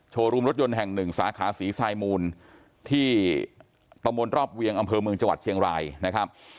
โชว์รูมรถยนต์แห่ง๑สาขาศรีไซมูลที่ประมวลรอบเวียงอำเภอเมืองจังหวัดเชียงรายนะครับ